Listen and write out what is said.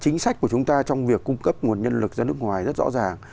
chính sách của chúng ta trong việc cung cấp nguồn nhân lực ra nước ngoài rất rõ ràng